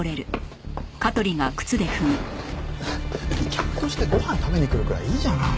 客としてご飯食べに来るくらいいいじゃない。